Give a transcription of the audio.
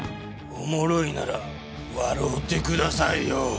おもろいなら笑うてくださいよ。